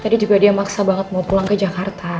tadi juga dia maksa banget mau pulang ke jakarta